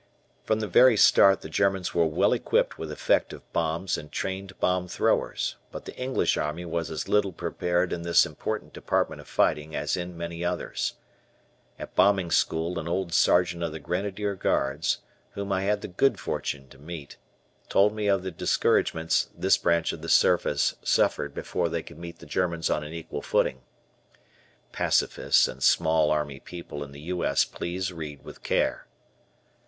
From the very start the Germans were well equipped with effective bombs and trained bomb throwers, but the English Army was as little prepared in this important department of fighting as in many others. At bombing school an old Sergeant of the Grenadier Guards, whom I had the good fortune to meet, told me of the discouragements this branch of the service suffered before they could meet the Germans on an equal footing. (Pacifists and small army people in the U. S. please read with care.)